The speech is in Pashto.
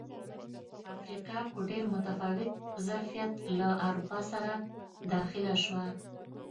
افریقا په ډېر متفاوت ظرفیت له اروپا سره داخله شوه.